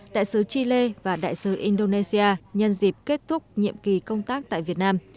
đại sứ indonesia nhân dịp kết thúc nhiệm kỳ công tác tại việt nam